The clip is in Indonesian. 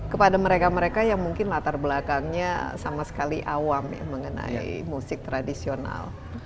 kepada mereka mereka yang mungkin latar belakangnya sama sekali awam ya mengenai musik tradisional